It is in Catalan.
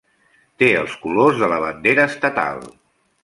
Té els colors de la bandera estatal.